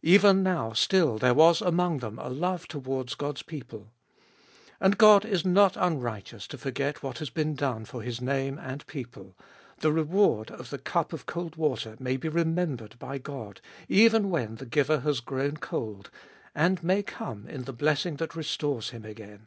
Even now still there was among them a love towards God's people. And God is not unrighteous to forget what has been done for His name and people ; the reward of the cup of cold water may be remembered by God even when the giver has grown cold, and may come in the blessing that restores him again.